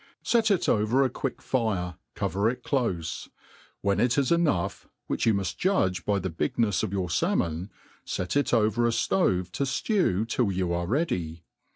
; Set it over a quick fire, cover it clofe ; when it is enough, which you muft judge by the bignefs of your falmon, fet it over' a ftove to fi'ew till you are ready.